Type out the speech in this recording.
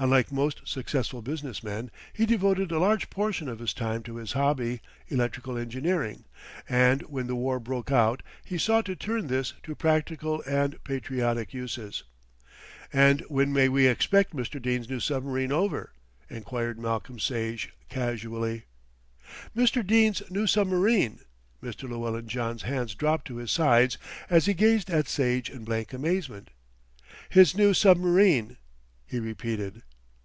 Unlike most successful business men, he devoted a large portion of his time to his hobby, electrical engineering, and when the war broke out he sought to turn this to practical and patriotic uses. "And when may we expect Mr. Dene's new submarine over?" enquired Malcolm Sage casually. "Mr. Dene's new submarine!" Mr. Llewellyn John's hands dropped to his sides as he gazed at Sage in blank amazement. "His new submarine," he repeated.